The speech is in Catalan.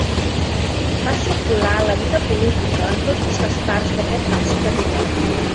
Fa circular la vida política en totes les parts d'aquest vast territori.